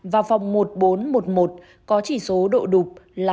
và phòng hai nghìn một trăm linh bảy có chỉ số độ đục là hai ba